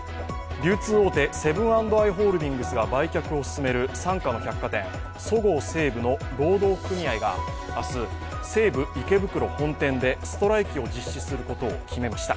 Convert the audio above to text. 流通大手セブン＆アイ・ホールディングスが売却を進める傘下の百貨店そごう・西武の労働組合が明日、西武池袋本店でストライキを実施することを決めました。